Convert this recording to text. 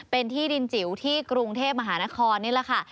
เป็นที่ดินจิ๋วที่กรุงเทพมหานครนี่แหละค่ะ